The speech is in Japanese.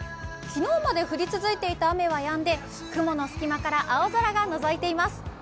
昨日まで降り続いていた雨はやんで雲の隙間から青空がのぞいています。